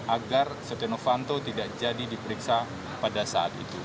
agar setia novanto tidak jadi diperiksa pada saat itu